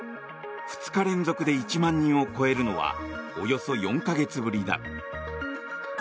２日連続で１万人を超えるのはおよそ４か月ぶりだ。